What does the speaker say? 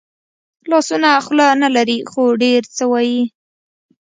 لاسونه خوله نه لري خو ډېر څه وايي